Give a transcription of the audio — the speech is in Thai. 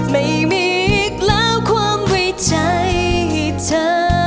ไม่มีอีกแล้วความไว้ใจให้เธอ